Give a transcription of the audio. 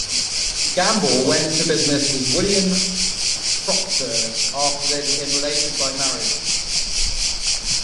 Gamble went into business with Wiliam Procter after they became related by marriage.